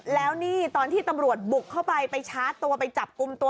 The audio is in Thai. แล้วนี่ตอนที่ตำรวจบุกเข้าไปไปชาร์จตัวไปจับกลุ่มตัว